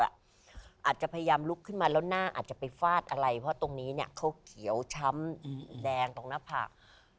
อาจจะพยายามลุกขึ้นมาแล้วหน้าอาจจะไปฟาดอะไรเพราะตรงนี้เนี่ยเขาเขียวช้ำแดงตรงหน้าผาก